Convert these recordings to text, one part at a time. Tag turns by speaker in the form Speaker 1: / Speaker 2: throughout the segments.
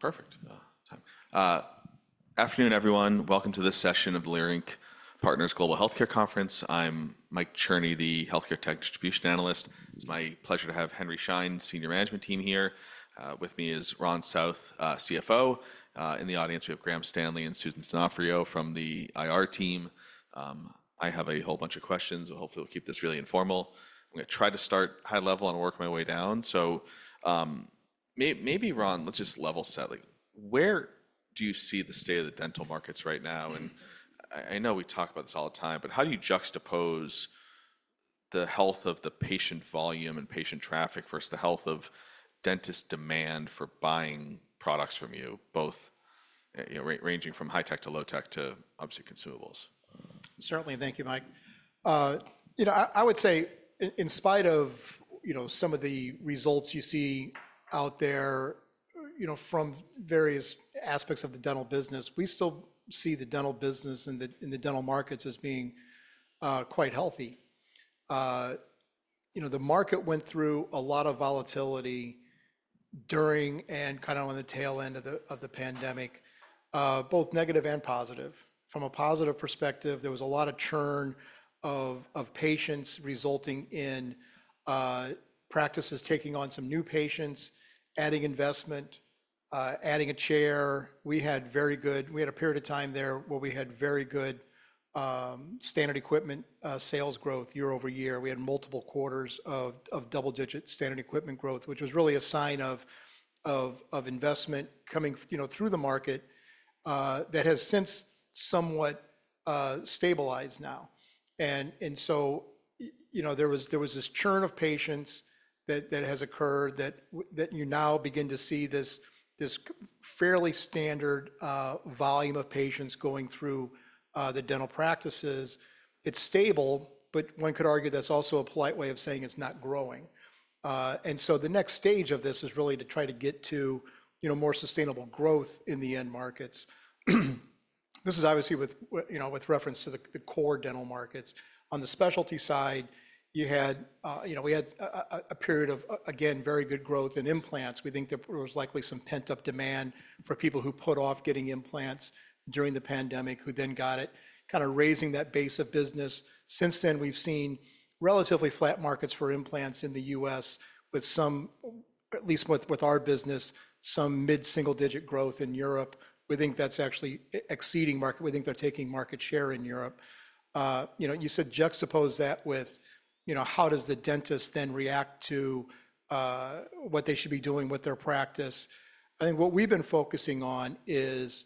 Speaker 1: Perfect. Afternoon, everyone. Welcome to this session of the Leerink Partners Global Healthcare Conference. I'm Mike Cherny, the Healthcare Tech Distribution Analyst. It's my pleasure to have Henry Schein Senior Management Team here. With me is Ron South, CFO. In the audience, we have Graham Stanley and Susan Donofrio from the IR team. I have a whole bunch of questions, but hopefully we'll keep this really informal. I'm gonna try to start high level and work my way down. Maybe, Ron, let's just level set. Like, where do you see the state of the dental markets right now? I know we talk about this all the time, but how do you juxtapose the health of the patient volume and patient traffic versus the health of dentist demand for buying products from you, both, you know, ranging from high tech to low tech to, obviously, consumables?
Speaker 2: Certainly. Thank you, Mike. You know, I would say, in spite of, you know, some of the results you see out there, you know, from various aspects of the dental business, we still see the dental business and the dental markets as being quite healthy. You know, the market went through a lot of volatility during and kind of on the tail end of the pandemic, both negative and positive. From a positive perspective, there was a lot of churn of patients resulting in practices taking on some new patients, adding investment, adding a chair. We had very good, we had a period of time there where we had very good standard equipment sales growth year-over-year. We had multiple quarters of double-digit standard equipment growth, which was really a sign of investment coming, you know, through the market, that has since somewhat stabilized now. You know, there was this churn of patients that has occurred, that you now begin to see this fairly standard volume of patients going through the dental practices. It's stable, but one could argue that's also a polite way of saying it's not growing. The next stage of this is really to try to get to, you know, more sustainable growth in the end markets. This is obviously with, you know, with reference to the core dental markets. On the specialty side, you had, you know, we had a period of, again, very good growth in implants. We think there was likely some pent-up demand for people who put off getting implants during the pandemic, who then got it, kinda raising that base of business. Since then, we've seen relatively flat markets for implants in the U.S., with some, at least with our business, some mid-single-digit growth in Europe. We think that's actually exceeding market. We think they're taking market share in Europe. You know, you said juxtapose that with, you know, how does the dentist then react to what they should be doing with their practice? I think what we've been focusing on is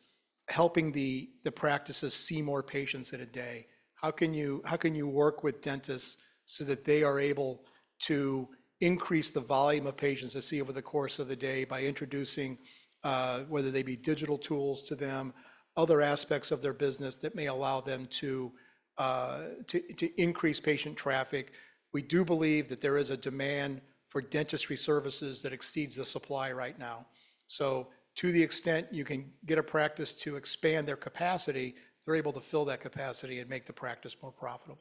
Speaker 2: helping the practices see more patients in a day. How can you work with dentists so that they are able to increase the volume of patients they see over the course of the day by introducing, whether they be digital tools to them, other aspects of their business that may allow them to increase patient traffic? We do believe that there is a demand for dentistry services that exceeds the supply right now. To the extent you can get a practice to expand their capacity, they are able to fill that capacity and make the practice more profitable.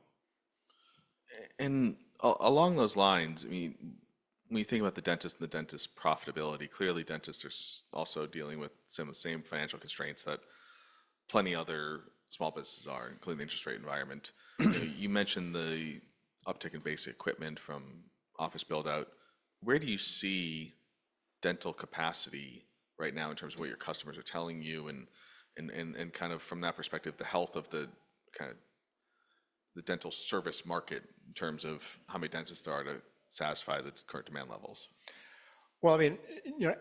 Speaker 1: And along those lines, I mean, when you think about the dentist and the dentist's profitability, clearly dentists are also dealing with some of the same financial constraints that plenty of other small businesses are, including the interest rate environment. You know, you mentioned the uptick in base equipment from office buildout. Where do you see dental capacity right now in terms of what your customers are telling you and kind of from that perspective, the health of the dental service market in terms of how many dentists there are to satisfy the current demand levels?
Speaker 2: I mean, you know,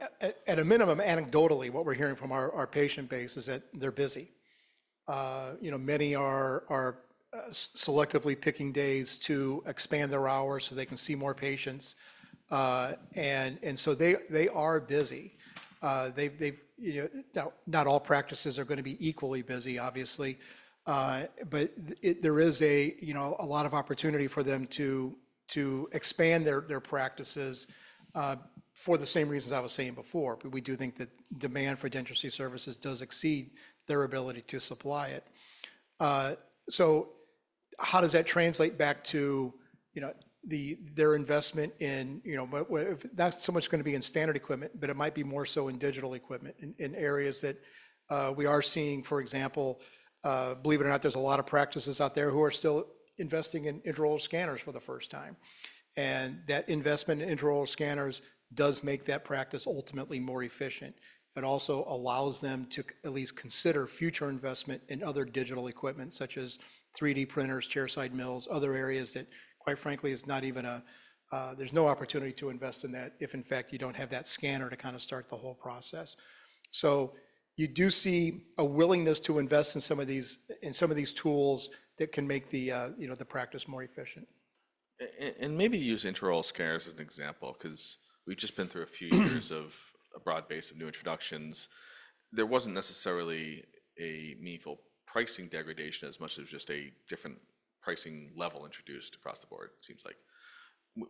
Speaker 2: at a minimum, anecdotally, what we're hearing from our patient base is that they're busy. You know, many are selectively picking days to expand their hours so they can see more patients. They are busy. They've, you know, now, not all practices are gonna be equally busy, obviously. There is a lot of opportunity for them to expand their practices, for the same reasons I was saying before. We do think that demand for dentistry services does exceed their ability to supply it. How does that translate back to, you know, their investment in, you know, if that's so much gonna be in standard equipment, but it might be more so in digital equipment in areas that we are seeing, for example, believe it or not, there's a lot of practices out there who are still investing in intraoral scanners for the first time. And that investment in intraoral scanners does make that practice ultimately more efficient and also allows them to at least consider future investment in other digital equipment, such as 3D printers, chairside mills, other areas that, quite frankly, is not even a, there's no opportunity to invest in that if, in fact, you don't have that scanner to kinda start the whole process. You do see a willingness to invest in some of these, in some of these tools that can make the, you know, the practice more efficient.
Speaker 1: And maybe use intraoral scanners as an example, 'cause we've just been through a few years of a broad base of new introductions. There wasn't necessarily a meaningful pricing degradation as much as just a different pricing level introduced across the board, it seems like.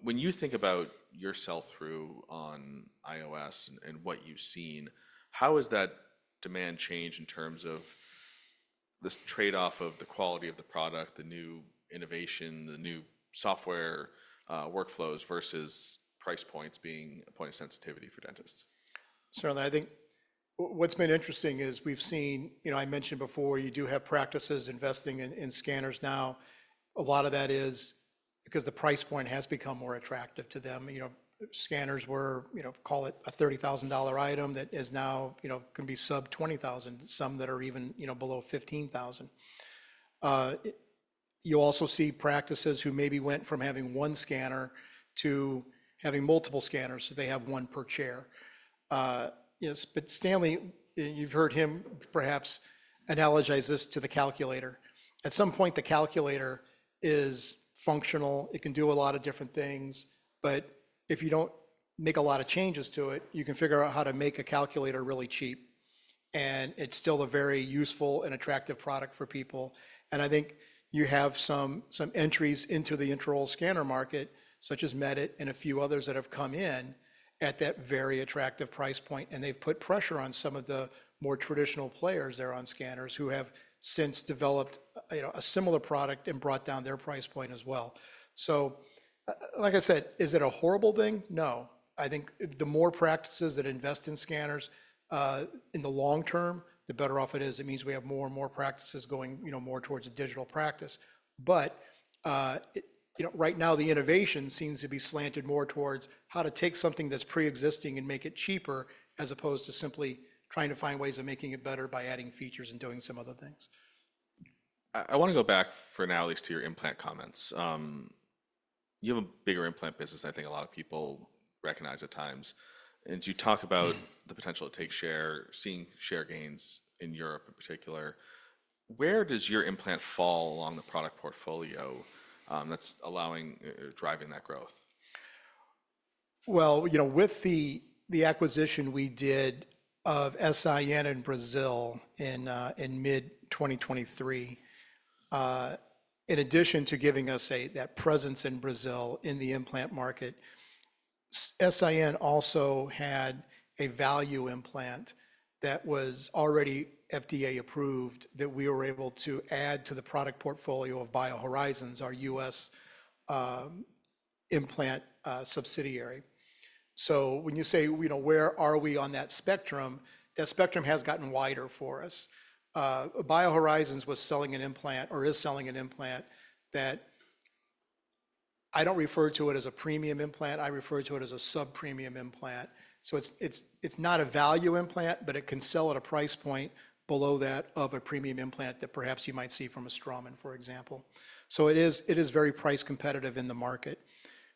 Speaker 1: When you think about your sell-through on IOS and what you've seen, how has that demand changed in terms of this trade-off of the quality of the product, the new innovation, the new software, workflows versus price points being a point of sensitivity for dentists?
Speaker 2: Certainly. I think what's been interesting is we've seen, you know, I mentioned before, you do have practices investing in scanners now. A lot of that is because the price point has become more attractive to them. You know, scanners were, you know, call it a $30,000 item that is now, you know, can be sub-$20,000, some that are even, you know, below $15,000. You also see practices who maybe went from having one scanner to having multiple scanners so they have one per chair. You know, Stanley, you've heard him perhaps analogize this to the calculator. At some point, the calculator is functional. It can do a lot of different things. If you do not make a lot of changes to it, you can figure out how to make a calculator really cheap. It is still a very useful and attractive product for people. I think you have some entries into the intraoral scanner market, such as Medit and a few others that have come in at that very attractive price point. They've put pressure on some of the more traditional players there on scanners who have since developed, you know, a similar product and brought down their price point as well. Like I said, is it a horrible thing? No. I think the more practices that invest in scanners, in the long term, the better off it is. It means we have more and more practices going, you know, more towards a digital practice. It, you know, right now, the innovation seems to be slanted more towards how to take something that's preexisting and make it cheaper as opposed to simply trying to find ways of making it better by adding features and doing some other things.
Speaker 1: I wanna go back for now at least to your implant comments. You have a bigger implant business than I think a lot of people recognize at times. As you talk about the potential to take share, seeing share gains in Europe in particular, where does your implant fall along the product portfolio, that's allowing, driving that growth?
Speaker 2: You know, with the acquisition we did of S.I.N. in Brazil in mid-2023, in addition to giving us that presence in Brazil in the implant market, S.I.N. also had a value implant that was already FDA-approved that we were able to add to the product portfolio of BioHorizons, our U.S. implant subsidiary. When you say, you know, where are we on that spectrum, that spectrum has gotten wider for us. BioHorizons was selling an implant or is selling an implant that I do not refer to as a premium implant. I refer to it as a sub-premium implant. It is not a value implant, but it can sell at a price point below that of a premium implant that perhaps you might see from a Straumann, for example. It is very price competitive in the market.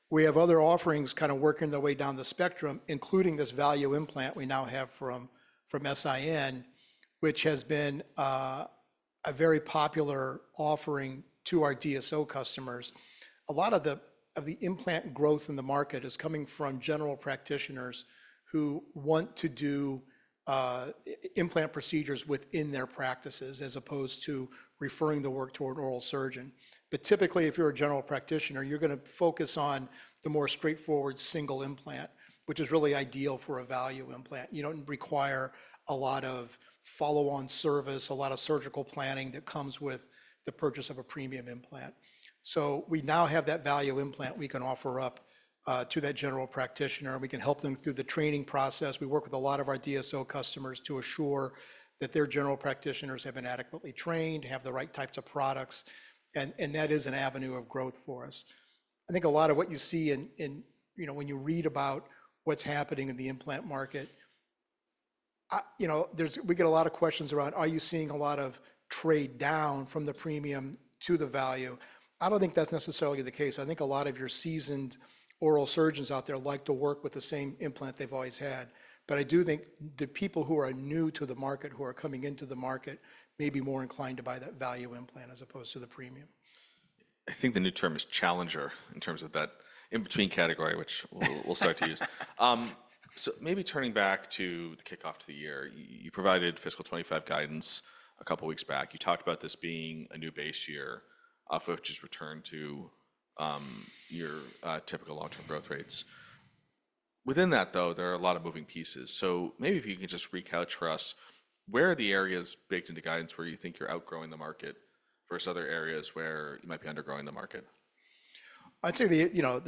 Speaker 2: We have other offerings kinda working their way down the spectrum, including this value implant we now have from S.I.N., which has been a very popular offering to our DSO customers. A lot of the implant growth in the market is coming from general practitioners who want to do implant procedures within their practices as opposed to referring the work to an oral surgeon. Typically, if you're a general practitioner, you're gonna focus on the more straightforward single implant, which is really ideal for a value implant. You don't require a lot of follow-on service, a lot of surgical planning that comes with the purchase of a premium implant. We now have that value implant we can offer up to that general practitioner. We can help them through the training process. We work with a lot of our DSO customers to assure that their general practitioners have been adequately trained, have the right types of products. That is an avenue of growth for us. I think a lot of what you see in, you know, when you read about what's happening in the implant market, you know, we get a lot of questions around, are you seeing a lot of trade down from the premium to the value? I don't think that's necessarily the case. I think a lot of your seasoned oral surgeons out there like to work with the same implant they've always had. I do think the people who are new to the market, who are coming into the market, may be more inclined to buy that value implant as opposed to the premium.
Speaker 1: I think the new term is challenger in terms of that in-between category, which we'll start to use.
Speaker 2: Okay.
Speaker 1: Maybe turning back to the kickoff to the year, you provided fiscal 2025 guidance a couple weeks back. You talked about this being a new base year, for which has returned to your typical long-term growth rates. Within that, though, there are a lot of moving pieces. Maybe if you could just recount for us, where are the areas baked into guidance where you think you're outgrowing the market versus other areas where you might be undergrowing the market?
Speaker 2: I'd say the, you know,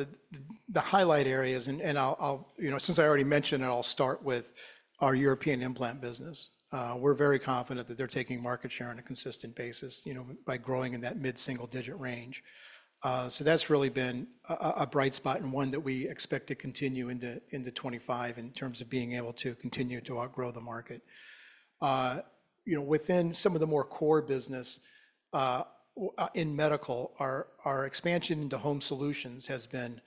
Speaker 2: the highlight areas, and I'll, you know, since I already mentioned it, I'll start with our European implant business. We're very confident that they're taking market share on a consistent basis, you know, by growing in that mid-single-digit range. That's really been a bright spot and one that we expect to continue into 2025 in terms of being able to continue to outgrow the market. You know, within some of the more core business, in medical, our expansion into home solutions has been,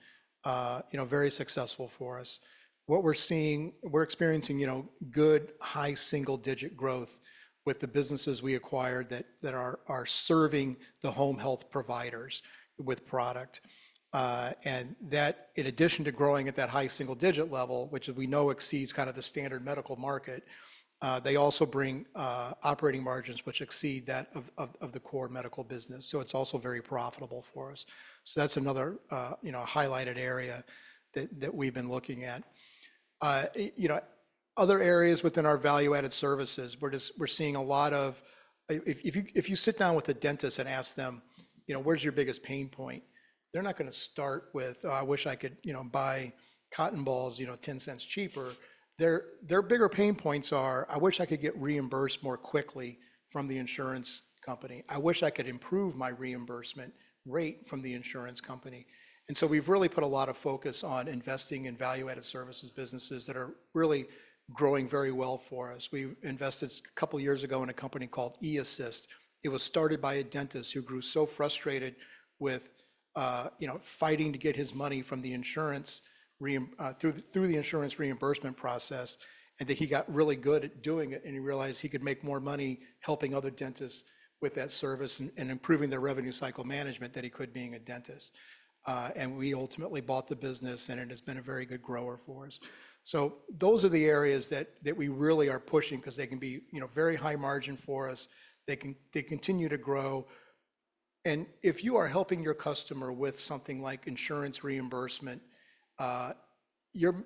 Speaker 2: you know, very successful for us. What we're seeing, we're experiencing, you know, good high single-digit growth with the businesses we acquired that are serving the home health providers with product. and that, in addition to growing at that high single-digit level, which we know exceeds kinda the standard medical market, they also bring operating margins which exceed that of the core medical business. It is also very profitable for us. That is another, you know, highlighted area that we have been looking at. You know, other areas within our value-added services, we are just, we are seeing a lot of, if you sit down with a dentist and ask them, you know, where is your biggest pain point, they are not gonna start with, I wish I could, you know, buy cotton balls, you know, 10 cents cheaper. Their bigger pain points are, I wish I could get reimbursed more quickly from the insurance company. I wish I could improve my reimbursement rate from the insurance company. We've really put a lot of focus on investing in value-added services businesses that are really growing very well for us. We invested a couple years ago in a company called eAssist. It was started by a dentist who grew so frustrated with, you know, fighting to get his money from the insurance reimb, through the, through the insurance reimbursement process, and that he got really good at doing it and he realized he could make more money helping other dentists with that service and, and improving their revenue cycle management than he could being a dentist. We ultimately bought the business, and it has been a very good grower for us. Those are the areas that we really are pushing 'cause they can be, you know, very high margin for us. They continue to grow. If you are helping your customer with something like insurance reimbursement, you're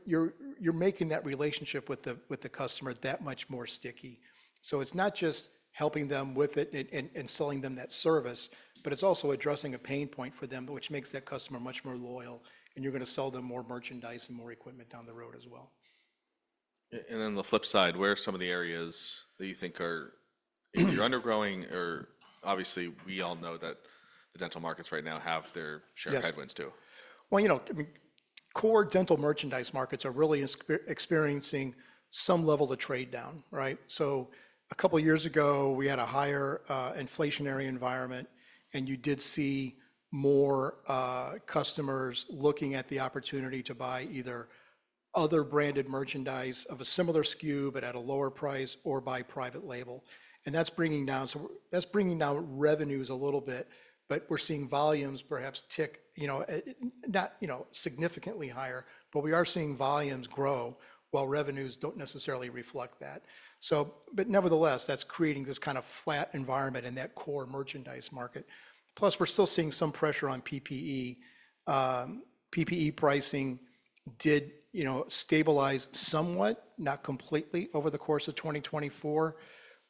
Speaker 2: making that relationship with the customer that much more sticky. It is not just helping them with it and selling them that service, but it is also addressing a pain point for them, which makes that customer much more loyal, and you're gonna sell them more merchandise and more equipment down the road as well.
Speaker 1: And on the flip side, where are some of the areas that you think are, you're undergrowing or obviously we all know that the dental markets right now have their share of headwinds too.
Speaker 2: Yeah. You know, I mean, core dental merchandise markets are really experiencing some level of trade down, right? A couple years ago, we had a higher, inflationary environment, and you did see more customers looking at the opportunity to buy either other branded merchandise of a similar SKU but at a lower price or buy private label. That's bringing down some revenues a little bit, but we're seeing volumes perhaps tick, you know, not, you know, significantly higher, but we are seeing volumes grow while revenues don't necessarily reflect that. Nevertheless, that's creating this kinda flat environment in that core merchandise market. Plus, we're still seeing some pressure on PPE. PPE pricing did, you know, stabilize somewhat, not completely over the course of 2024.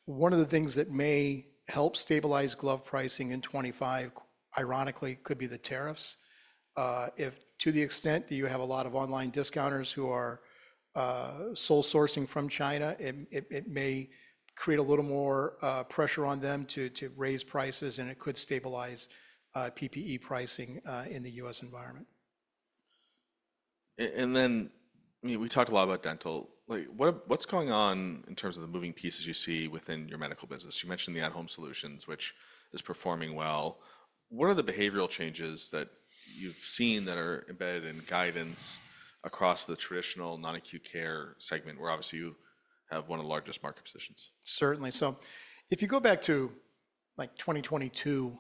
Speaker 2: One of the things that may help stabilize glove pricing in 2025, ironically, could be the tariffs. If, to the extent that you have a lot of online discounters who are sole sourcing from China, it may create a little more pressure on them to raise prices, and it could stabilize PPE pricing in the US environment.
Speaker 1: And then, you know, we talked a lot about dental. Like, what a, what's going on in terms of the moving pieces you see within your medical business? You mentioned the at-home solutions, which is performing well. What are the behavioral changes that you've seen that are embedded in guidance across the traditional non-acute care segment where obviously you have one of the largest market positions?
Speaker 2: Certainly. If you go back to, like, 2022,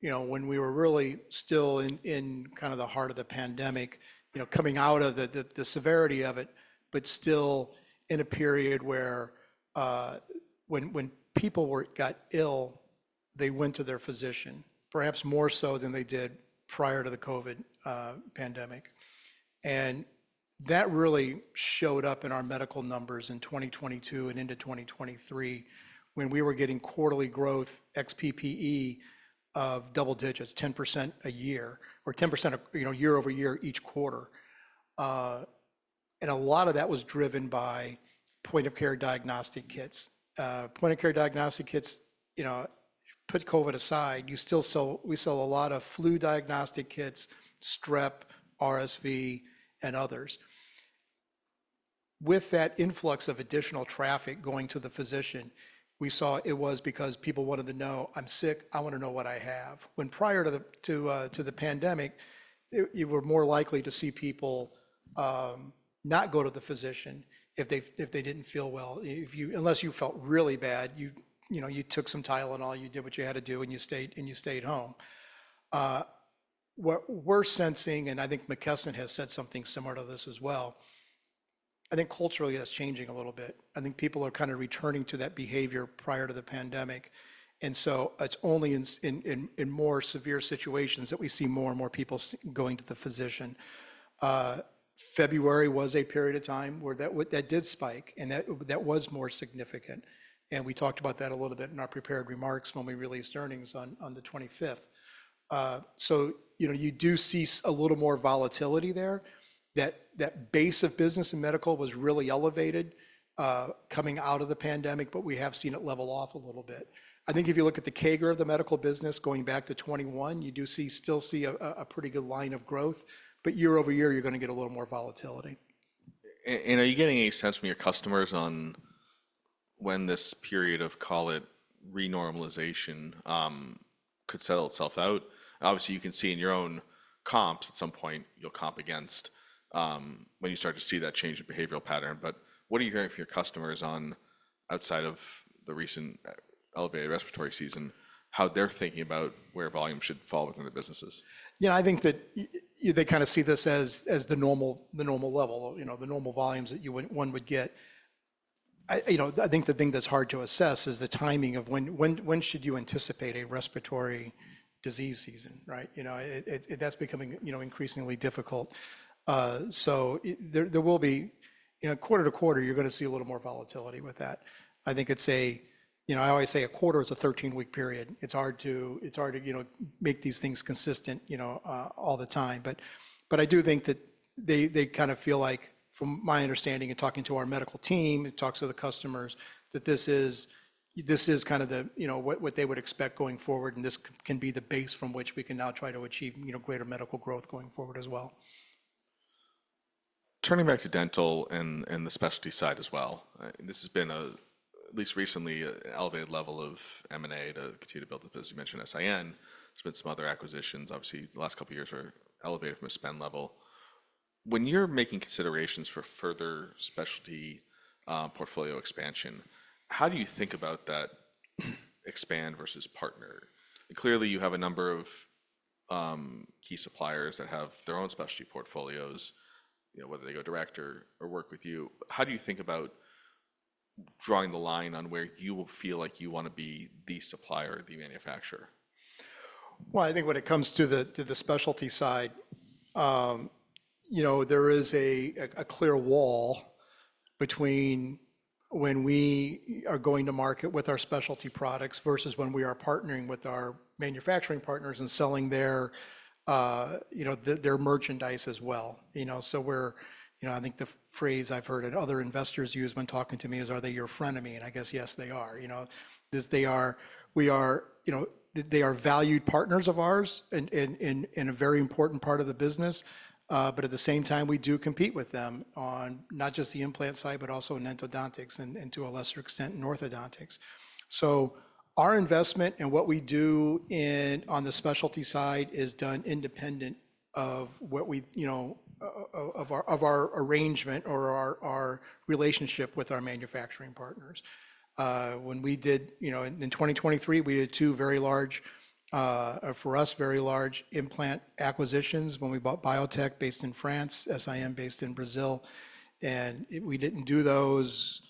Speaker 2: you know, when we were really still in, in kinda the heart of the pandemic, you know, coming out of the, the, the severity of it, but still in a period where, when, when people were got ill, they went to their physician, perhaps more so than they did prior to the COVID pandemic. That really showed up in our medical numbers in 2022 and into 2023 when we were getting quarterly growth, excluding PPE, of double digits, 10% a year or 10% of, you know, year-over-year each quarter. A lot of that was driven by point-of-care diagnostic kits. Point-of-care diagnostic kits, you know, put COVID aside, you still sell, we sell a lot of flu diagnostic kits, strep, RSV, and others. With that influx of additional traffic going to the physician, we saw it was because people wanted to know, "I'm sick. I wanna know what I have." When prior to the, to the pandemic, you were more likely to see people not go to the physician if they didn't feel well. Unless you felt really bad, you know, you took some Tylenol, you did what you had to do, and you stayed home. What we're sensing, and I think McKesson has said something similar to this as well, I think culturally that's changing a little bit. I think people are kinda returning to that behavior prior to the pandemic. It's only in more severe situations that we see more and more people going to the physician. February was a period of time where that did spike and that was more significant. And we talked about that a little bit in our prepared remarks when we released earnings on the 25th. You know, you do see a little more volatility there. That base of business in medical was really elevated, coming out of the pandemic, but we have seen it level off a little bit. I think if you look at the CAGR of the medical business going back to 2021, you do still see a pretty good line of growth, but year over year you're gonna get a little more volatility.
Speaker 1: Are you getting any sense from your customers on when this period of, call it, renormalization, could settle itself out? Obviously, you can see in your own comps at some point, you'll comp against, when you start to see that change in behavioral pattern. What are you hearing from your customers on, outside of the recent elevated respiratory season, how they're thinking about where volume should fall within the businesses?
Speaker 2: Yeah, I think that you, you, they kinda see this as, as the normal, the normal level, you know, the normal volumes that you would, one would get. I, you know, I think the thing that's hard to assess is the timing of when, when should you anticipate a respiratory disease season, right? You know, it, it, it, that's becoming, you know, increasingly difficult. It, there, there will be, you know, quarter to quarter, you're gonna see a little more volatility with that. I think it's a, you know, I always say a quarter is a 13-week period. It's hard to, it's hard to, you know, make these things consistent, you know, all the time. I do think that they kinda feel like, from my understanding and talking to our medical team, talking to the customers, that this is kinda the, you know, what they would expect going forward, and this can be the base from which we can now try to achieve, you know, greater medical growth going forward as well.
Speaker 1: Turning back to dental and the specialty side as well. This has been a, at least recently, elevated level of M&A to continue to build the business. You mentioned SIN. There's been some other acquisitions. Obviously, the last couple years were elevated from a spend level. When you're making considerations for further specialty, portfolio expansion, how do you think about that expand versus partner? Clearly, you have a number of key suppliers that have their own specialty portfolios, you know, whether they go direct or work with you. How do you think about drawing the line on where you will feel like you wanna be the supplier or the manufacturer?
Speaker 2: I think when it comes to the, to the specialty side, you know, there is a, a clear wall between when we are going to market with our specialty products versus when we are partnering with our manufacturing partners and selling their, you know, their merchandise as well. You know, I think the phrase I've heard that other investors use when talking to me is, "Are they your frenemy?" And I guess, yes, they are. You know, they are, we are, you know, they are valued partners of ours and, and a very important part of the business. At the same time, we do compete with them on not just the implant side, but also in endodontics and, and to a lesser extent, in orthodontics. Our investment and what we do in, on the specialty side is done independent of what we, you know, of our, of our arrangement or our, our relationship with our manufacturing partners. When we did, you know, in 2023, we did two very large, for us, very large implant acquisitions when we bought Biotech based in France, SIN based in Brazil. And we did not do those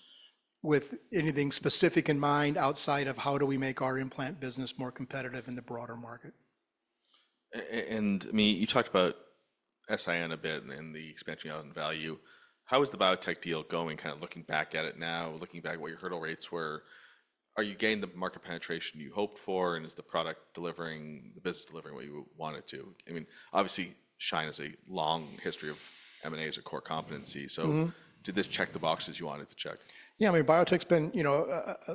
Speaker 2: with anything specific in mind outside of how do we make our implant business more competitive in the broader market.
Speaker 1: I mean, you talked about SIN a bit and the expansion out in value. How is the Biotech deal going, kinda looking back at it now, looking back at what your hurdle rates were? Are you getting the market penetration you hoped for, and is the product delivering, the business delivering what you want it to? I mean, obviously, Schein has a long history of M&As or core competency. Did this check the boxes you wanted to check?
Speaker 2: Yeah. I mean, Biotech's been, you know,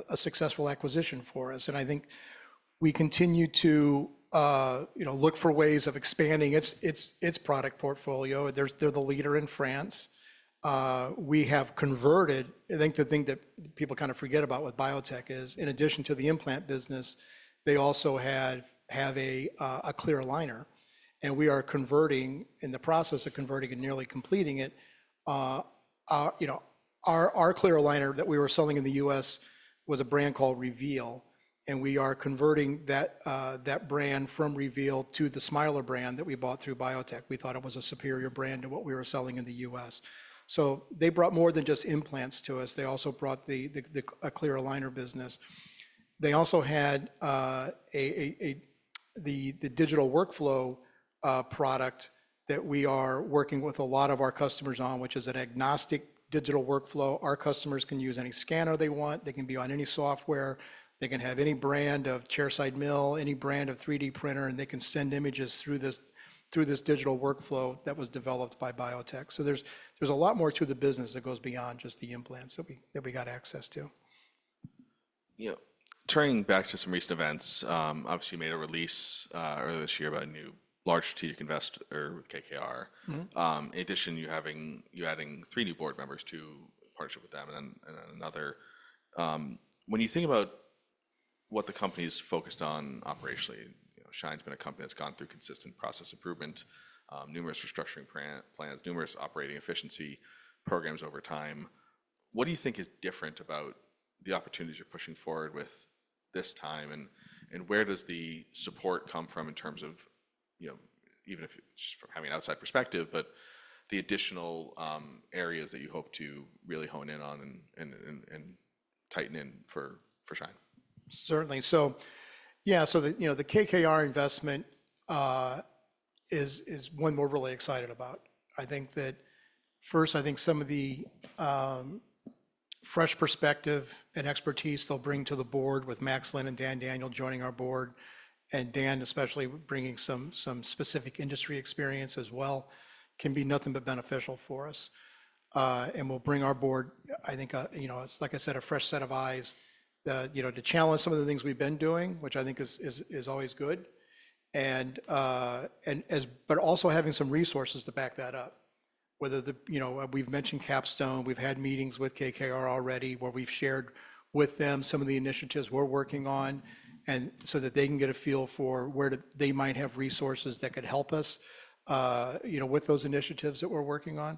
Speaker 2: a successful acquisition for us. I think we continue to, you know, look for ways of expanding its product portfolio. They're the leader in France. I think the thing that people kinda forget about with Biotech is, in addition to the implant business, they also have a clear aligner. We are converting, in the process of converting and nearly completing it, you know, our clear aligner that we were selling in the U.S was a brand called Reveal. We are converting that brand from Reveal to the Smilers brand that we bought through Biotech. We thought it was a superior brand to what we were selling in the U.S. They brought more than just implants to us. They also brought a clear aligner business. They also had the digital workflow product that we are working with a lot of our customers on, which is an agnostic digital workflow. Our customers can use any scanner they want. They can be on any software. They can have any brand of chairside mill, any brand of 3D printer, and they can send images through this digital workflow that was developed by Biotech. There is a lot more to the business that goes beyond just the implants that we got access to.
Speaker 1: You know, turning back to some recent events, obviously you made a release earlier this year about a new large strategic investor or KKR. In addition, you having, you adding three new board members to partnership with them and then, and then another. When you think about what the company's focused on operationally, you know, Schein's been a company that's gone through consistent process improvements, numerous restructuring plans, numerous operating efficiency programs over time. What do you think is different about the opportunities you're pushing forward with this time? And where does the support come from in terms of, you know, even if it's just from having an outside perspective, but the additional areas that you hope to really hone in on and, and, and tighten in for, for Schein?
Speaker 2: Certainly. Yeah, the KKR investment is one we're really excited about. I think that first, some of the fresh perspective and expertise they'll bring to the board with Max Lin and Dan Daniel joining our board, and Dan especially bringing some specific industry experience as well, can be nothing but beneficial for us. We'll bring our board, I think, like I said, a fresh set of eyes to challenge some of the things we've been doing, which I think is always good. Also, having some resources to back that up, whether we've mentioned Capstone. We've had meetings with KKR already where we've shared with them some of the initiatives we're working on so that they can get a feel for where they might have resources that could help us, you know, with those initiatives that we're working on.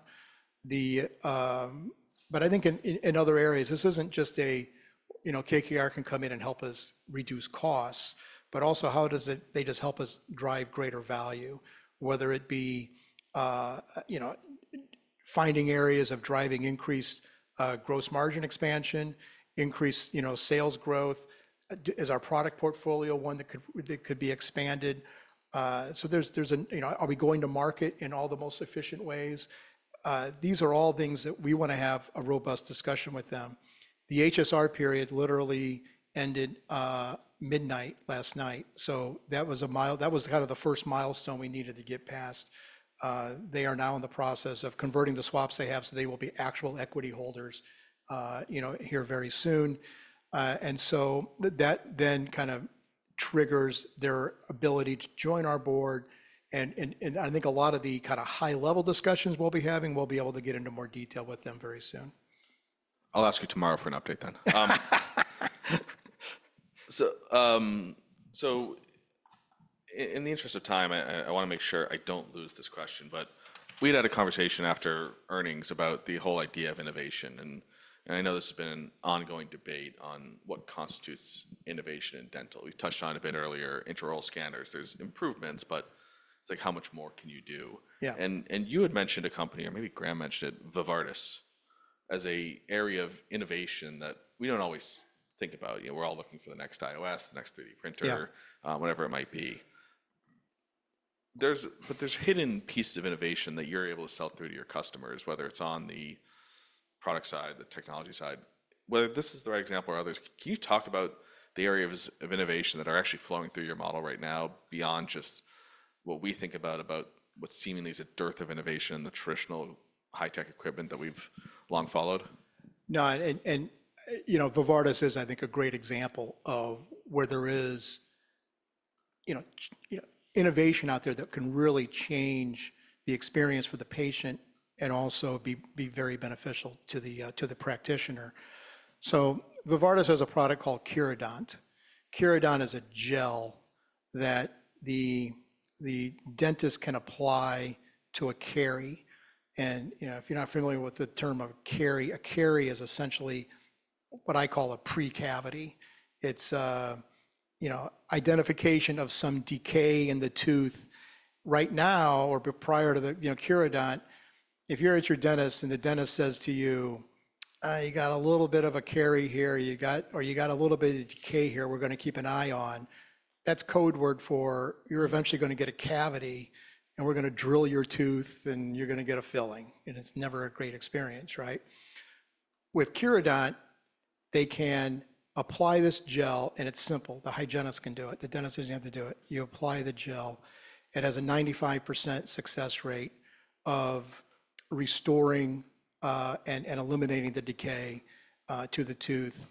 Speaker 2: I think in other areas, this isn't just a, you know, KKR can come in and help us reduce costs, but also how does it, they just help us drive greater value, whether it be, you know, finding areas of driving increased gross margin expansion, increased, you know, sales growth. Is our product portfolio one that could be expanded? So there's an, you know, are we going to market in all the most efficient ways? These are all things that we wanna have a robust discussion with them. The HSR period literally ended, midnight last night. That was kind of the first milestone we needed to get past. They are now in the process of converting the swaps they have, so they will be actual equity holders, you know, here very soon. That then kind of triggers their ability to join our board. I think a lot of the kind of high-level discussions we'll be having, we'll be able to get into more detail with them very soon.
Speaker 1: I'll ask you tomorrow for an update then. In the interest of time, I wanna make sure I don't lose this question, but we had had a conversation after earnings about the whole idea of innovation. I know this has been an ongoing debate on what constitutes innovation in dental. You touched on it a bit earlier, intraoral scanners. There's improvements, but it's like, how much more can you do?
Speaker 2: Yeah.
Speaker 1: You had mentioned a company, or maybe Graham mentioned it, vVARDIS, as an area of innovation that we do not always think about. You know, we are all looking for the next iOS, the next 3D printer. Whatever it might be. There are, but there are hidden pieces of innovation that you're able to sell through to your customers, whether it's on the product side, the technology side. Whether this is the right example or others, can you talk about the areas of innovation that are actually flowing through your model right now beyond just what we think about, about what seemingly is a dearth of innovation, the traditional high-tech equipment that we've long followed?
Speaker 2: No, and, and, you know, vVARDIS is, I think, a great example of where there is, you know, you know, innovation out there that can really change the experience for the patient and also be very beneficial to the practitioner. So vVARDIS has a product called Curodont. Curodont is a gel that the dentist can apply to a caries. And, you know, if you're not familiar with the term of caries, a caries is essentially what I call a precavity. It's, you know, identification of some decay in the tooth. Right now, or prior to the, you know, Curodont, if you're at your dentist and the dentist says to you, you got a little bit of a caries here, you got, or you got a little bit of decay here, we're gonna keep an eye on. That's code word for you're eventually gonna get a cavity and we're gonna drill your tooth and you're gonna get a filling. It's never a great experience, right? With Curodont, they can apply this gel and it's simple. The hygienist can do it. The dentist doesn't have to do it. You apply the gel. It has a 95% success rate of restoring, and eliminating the decay, to the tooth.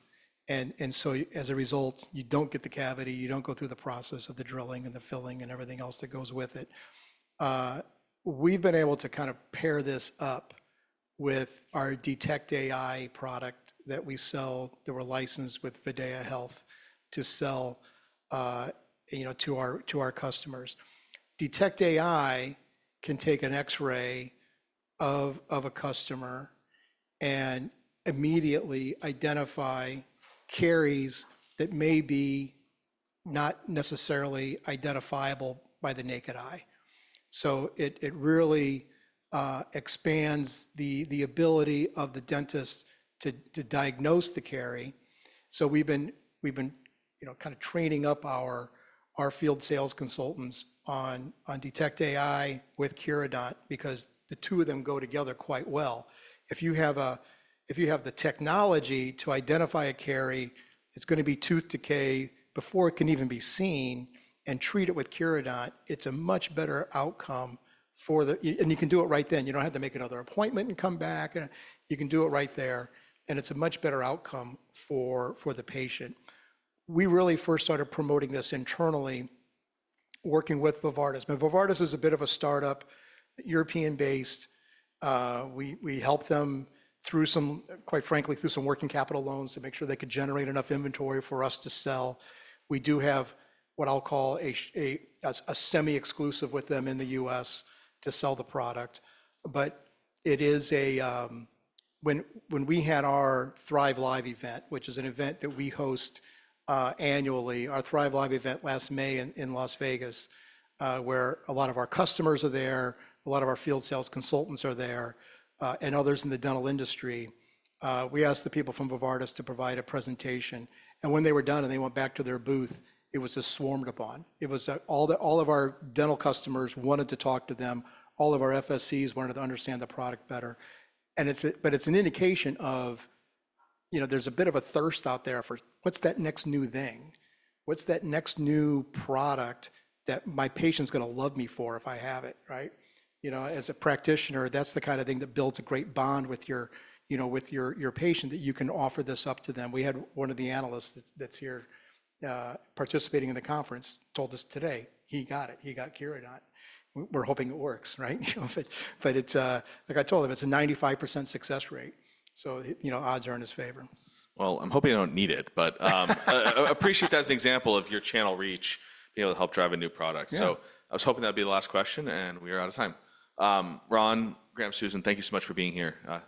Speaker 2: As a result, you don't get the cavity, you don't go through the process of the drilling and the filling and everything else that goes with it. We've been able to kind of pair this up with our DetectAI product that we sell that we're licensed with VideaHealth to sell, you know, to our, to our customers. DetectAI can take an X-ray of a customer and immediately identify caries that may be not necessarily identifiable by the naked eye. It really expands the ability of the dentist to diagnose the caries. We've been, you know, kind of training up our field sales consultants on DetectAI with Curodont because the two of them go together quite well. If you have the technology to identify a caries, it's gonna be tooth decay before it can even be seen and treat it with Curodont. It's a much better outcome for the, and you can do it right then. You don't have to make another appointment and come back. You can do it right there. It's a much better outcome for the patient. We really first started promoting this internally, working with vVARDIS. Now, vVARDIS is a bit of a startup, European-based. We helped them through some, quite frankly, through some working capital loans to make sure they could generate enough inventory for us to sell. We do have what I'll call a semi-exclusive with them in the U.S. to sell the product. It is a, when we had our THRIVELIVE event, which is an event that we host annually, our THRIVELIVE event last May in Las Vegas, where a lot of our customers are there, a lot of our field sales consultants are there, and others in the dental industry. We asked the people from vVARDIS to provide a presentation. When they were done and they went back to their booth, it was swarmed upon. All of our dental customers wanted to talk to them. All of our FSCs wanted to understand the product better. It's an indication of, you know, there's a bit of a thirst out there for what's that next new thing? What's that next new product that my patient's gonna love me for if I have it, right? You know, as a practitioner, that's the kind of thing that builds a great bond with your, you know, with your patient that you can offer this up to them. We had one of the analysts that's here, participating in the conference, told us today he got it. He got Curodont. We're hoping it works, right? You know, like I told him, it's a 95% success rate. You know, odds are in his favor.
Speaker 1: I'm hoping you don't need it, but I appreciate that as an example of your channel reach, you know, to help drive a new product. I was hoping that'd be the last question and we are out of time. Ron, Graham, Susan, thank you so much for being here.